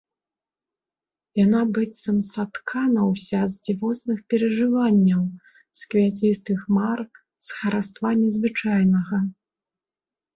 Яна быццам саткана ўся з дзівосных перажыванняў, з квяцістых мар, з хараства незвычайнага.